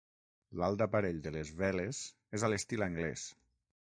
L'alt aparell de les veles és a l'estil anglès.